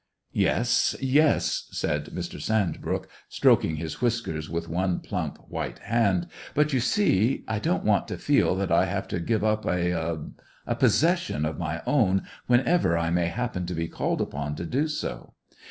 "Yes, yes," said Mr. Sandbrook, stroking his whiskers with one plump white hand; "but you see, I don't want to feel that I have to give up a er a possession of my own whenever I may happen to be called upon to do so.